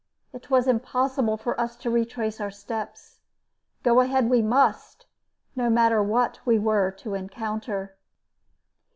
It was impossible for us to retrace our steps. Go ahead we must, no matter what we were to encounter.